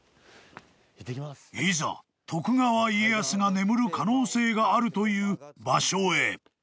［いざ徳川家康が眠る可能性があるという場所へ］